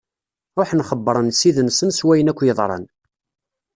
Ṛuḥen xebbṛen ssid-nsen s wayen akk yeḍran.